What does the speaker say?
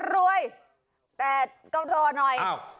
รวยแต่ก็รอหน่อย